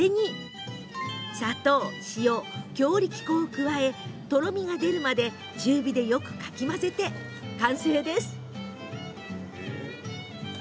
砂糖、塩、強力粉を加えとろみが出るまで中火でよくかき混ぜて完成です。